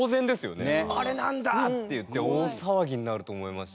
「あれなんだ！？」って言って大騒ぎになると思いますし。